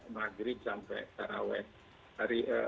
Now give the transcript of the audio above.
maghrib sampai taraweh